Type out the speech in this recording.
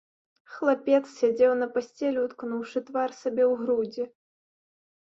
Хлапец сядзеў на пасцелі, уткнуўшы твар сабе ў грудзі.